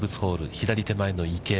左手前の池。